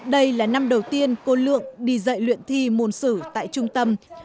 đây là năm đầu tiên cô lượng đi dạy luyện thi môn sử tại trung tâm